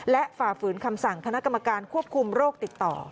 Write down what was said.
และฝ่าฝืนคำสั่งคณะกรรมการควบคุมโรคติดต่อ